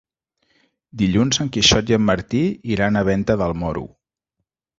Dilluns en Quixot i en Martí iran a Venta del Moro.